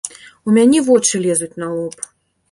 У мяне вочы лезуць на лоб!